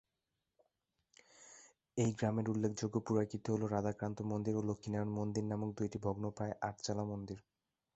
এই গ্রামের উল্লেখযোগ্য পুরাকীর্তি হল রাধাকান্ত মন্দির ও লক্ষ্মীনারায়ণ মন্দির নামক দুইটি ভগ্নপ্রায় আটচালা মন্দির।